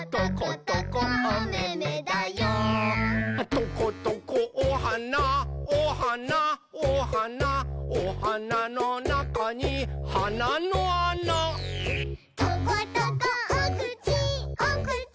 「トコトコおはなおはなおはなおはなのなかにはなのあな」「トコトコおくちおくち